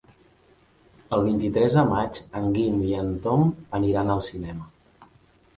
El vint-i-tres de maig en Guim i en Tom aniran al cinema.